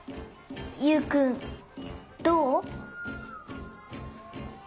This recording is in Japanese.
ユウくんどう？